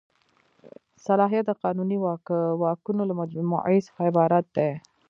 صلاحیت د قانوني واکونو له مجموعې څخه عبارت دی.